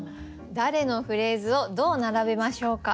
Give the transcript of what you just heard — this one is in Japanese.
誰のフレーズをどう並べましょうか。